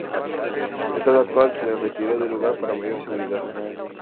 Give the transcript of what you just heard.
Estado actual: se la retiró del lugar para mayor seguridad.